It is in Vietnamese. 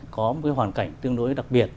có một cái hoàn cảnh tương đối đặc biệt